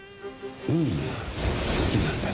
海が好きなんだそうだ。